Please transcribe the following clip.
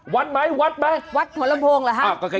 วัดไหมวัดไหมวัดหัวลำโพงเหรอฮะ